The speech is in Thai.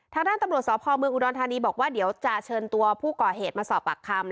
ทางด้านตำรวจสพเมืองอุดรธานีบอกว่าเดี๋ยวจะเชิญตัวผู้ก่อเหตุมาสอบปากคำ